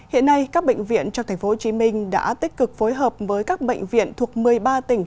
hiện nay các bệnh viện trong tp hcm đã tích cực phối hợp với các bệnh viện thuộc một mươi ba tỉnh